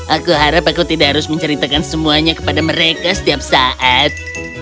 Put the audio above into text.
aku harap aku tidak harus menceritakan semuanya kepada mereka setiap saat